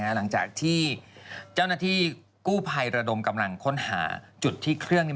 หลังจากที่เจ้าหน้าที่กู้ภัยระดมกำลังค้นหาจุดที่เครื่อง